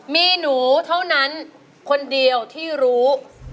มีหนูเท่านั้นคนเดียวที่รู้